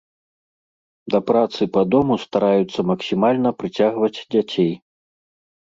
Да працы па дому стараюцца максімальна прыцягваць дзяцей.